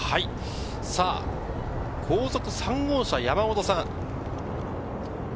後続、３号車・山本さん。